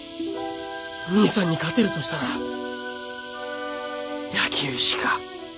兄さんに勝てるとしたら野球しか。